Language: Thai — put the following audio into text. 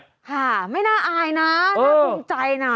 ค่ะไม่น่าอายนะน่าภูมิใจนะ